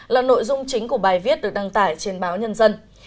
là nội dung chính của bài viết được đăng tải trên báo nhân dân